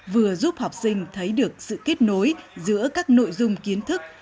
vừa giúp học sinh thấy được sự kết nối giữa các nội dung kiến thức